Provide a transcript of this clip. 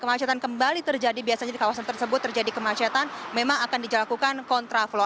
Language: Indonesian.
kemacetan kembali terjadi biasanya di kawasan tersebut terjadi kemacetan memang akan dilakukan kontra flow